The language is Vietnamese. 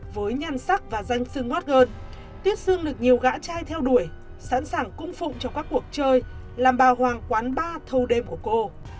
với nhan sắc và danh sương hot girl tuyết sương được nhiều gã trai theo đuổi sẵn sàng cung phụng cho các cuộc chơi làm bào hoàng quán bar thâu đêm của cô